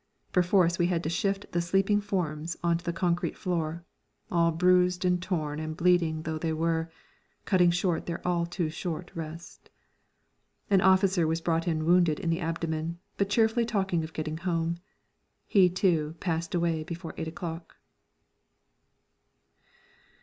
Perforce we had to shift the sleeping forms on to the concrete floor, all bruised and torn and bleeding though they were, cutting shorter their all too short rest. An officer was brought in wounded in the abdomen, but cheerfully talking of getting home. He, too, passed away before eight o'clock.